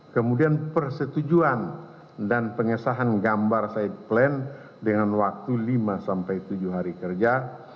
kemudian persetujuan dan pengesahan gambar side plan dengan waktu lima sampai tujuh hari kerja